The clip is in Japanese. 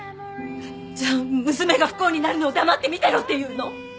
じゃあ娘が不幸になるのを黙って見てろっていうの？